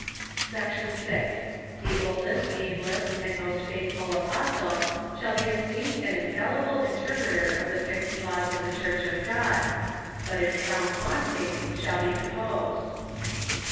Section VI. The oldest, ablest and most faithful apos THE CONSPIRATORS AND LOVERS. 395 tie shall be esteemed an infallible interpreter of the fixed laws of the Church of God ! But if found wanting shall be deposed.